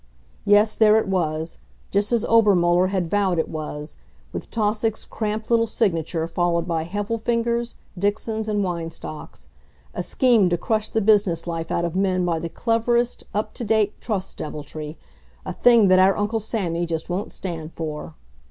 Yes, there it was, just as Obermuller had vowed it was, with Tausig's cramped little signature followed by Heffelfinger's, Dixon's and Weinstock's; a scheme to crush the business life out of men by the cleverest, up to date Trust deviltry; a thing that our Uncle Sammy just won't stand for.